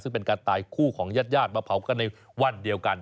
ซึ่งเป็นการตายคู่ของญาติญาติมาเผากันในวันเดียวกัน